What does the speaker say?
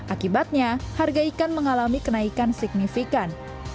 akibatnya harga ikan mengalami kenaikan signifikan